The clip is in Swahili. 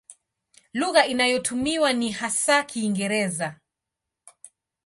Lugha inayotumiwa ni hasa Kiingereza.